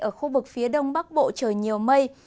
ở khu vực phía đông bắc bộ trời nhiều mây